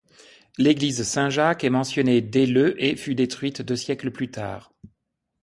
L'église Saint-Jacques est mentionnée dès le et fut détruite deux siècles plus tard.